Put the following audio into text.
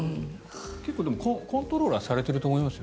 結構コントロールはされていると思いますよ。